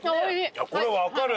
これわかる！